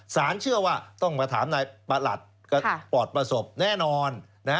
เชื่อว่าต้องมาถามนายประหลัดปลอดประสบแน่นอน